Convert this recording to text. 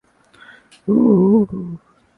کبھی کبھی ان کی باتیں سنتا ہوں۔